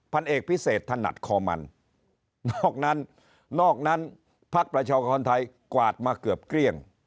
พันเอกพิเศษถนัดคอมันนอกนั้นนอกนั้นพักประชากรไทยกวาดมาเกือบเกลี้ยง